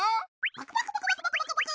パクパクパクパク。